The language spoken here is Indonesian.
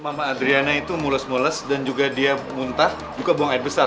mama adriana itu mulus mulus dan juga dia muntah juga buang air besar